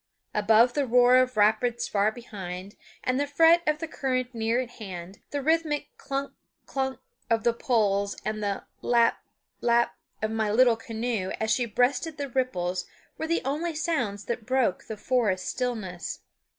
Above the roar of rapids far behind, and the fret of the current near at hand, the rhythmical clunk, clunk of the poles and the lap, lap of my little canoe as she breasted the ripples were the only sounds that broke the forest stillness.